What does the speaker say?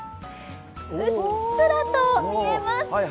うっすらと見えます。